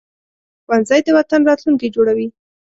ښوونځی د وطن راتلونکی جوړوي